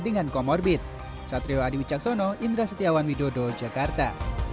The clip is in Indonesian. dengan comorbid satrio adiwi caksono indra setiawan widodo jakarta